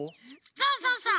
そうそうそう！